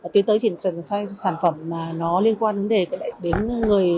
tiến tới triển khai sản phẩm mà nó liên quan đến người